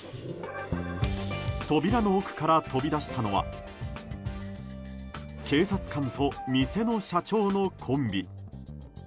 扉の奥から飛び出したのは警察官と店の社長のコンビ。